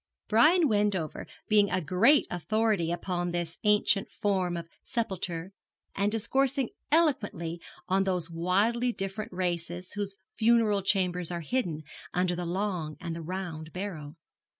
Brian Wendover being a great authority upon this ancient form of sepulture, and discoursing eloquently on those widely different races whose funeral chambers are hidden under the long and the round barrow.